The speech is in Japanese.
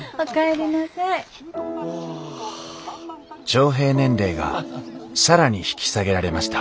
徴兵年齢が更に引き下げられました。